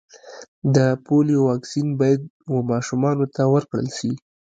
د پولیو واکسین باید و ماشومانو ته ورکړل سي.